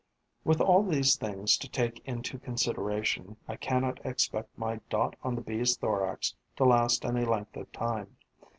With all these things to take into consideration, I cannot expect my dot on the Bee's thorax to last any length of time.